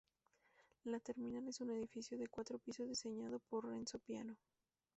La terminal es un edificio de cuatro pisos diseñado por Renzo Piano.